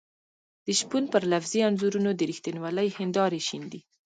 د شپون پر لفظي انځورونو د رښتینولۍ هېندارې شيندي.